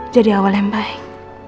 jadi awal yang baik